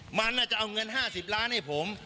ขอมานักจะเอาเงิน๕๐ล้านบาทให้ผม